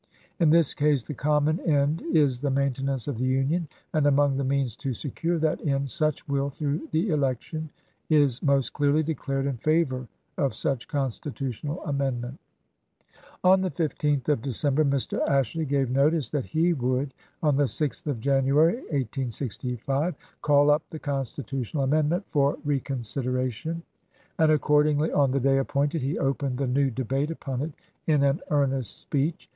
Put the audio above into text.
In this case the common end is the maintenance of the Union j and among the means to secure that end, such will, through the election, is most clearly declared in favor of such constitutional amendment. Lincoln, Annual On the 15th of December Mr. Ashley gave notice that he would, on the 6th of January, 1865, call up the constitutional amendment for reconsideration ; and accordingly, on the day appointed, he opened the new debate upon it in an earnest speech.